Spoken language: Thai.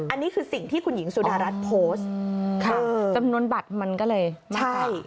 อันนี้คือสิ่งที่คุณหญิงสุดารัฐโพสต์ค่ะจำนวนบัตรมันก็เลยไม่ใช่